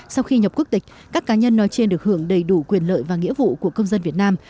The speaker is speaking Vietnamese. sau khi nhập quốc tịch các cá nhân nói trên được hưởng đầy đủ quyền lợi và nghĩa vụ của công dân việt nam